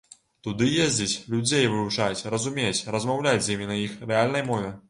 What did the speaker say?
Туды ездзіць, людзей вывучаць, разумець, размаўляць з імі на іх рэальнай мове.